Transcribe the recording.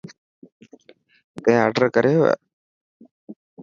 تين آڊر ڪريو هي.